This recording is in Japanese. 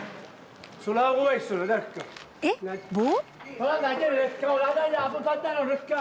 えっ棒？